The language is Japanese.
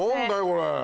これ。